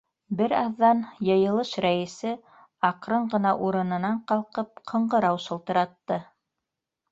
Бер аҙҙан йыйылыш рәисе, аҡрын ғына урынынан ҡалҡып, ҡыңғырау шылтыратты.